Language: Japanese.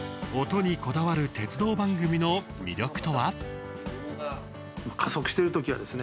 音にこだわる鉄道番組の魅力とは？